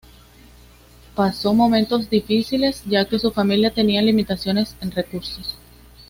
Pasó momentos difíciles, ya que su familia tenía limitaciones en recursos.